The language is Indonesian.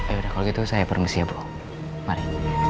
ya udah kalau gitu saya permisi ya bu mari